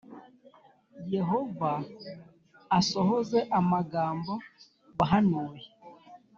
Yehova asohoze amagambo wahanuye